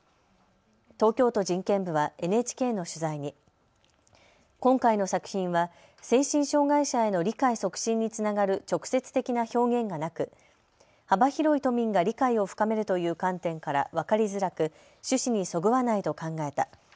東京都人権部はＮＨＫの取材に今回の作品は精神障害者への理解促進につながる直接的な表現がなく幅広い都民が理解を深めるという観点から分かりづらく趣旨にそぐわないと考えた。